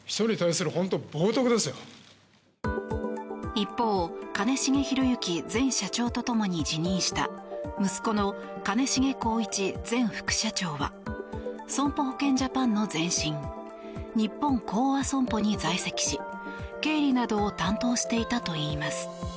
一方、兼重宏行前社長とともに辞任した息子の兼重宏一前副社長は損害保険ジャパンの前身日本興亜損保に在籍し経理などを担当していたといいます。